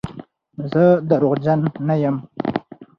زه درواغجن نه یم.